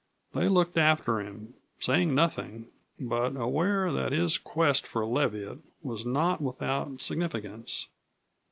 They looked after him, saying nothing, but aware that his quest for Leviatt was not without significance.